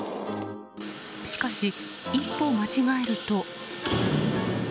しかし、一歩間違えると。